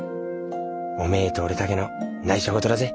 お前と俺だけの内緒事だぜ。